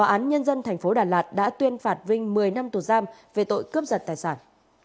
tòa án nhân dân tp đà lạt đã tuyên phạt vinh một mươi năm tù giam về tội cướp giật tài sản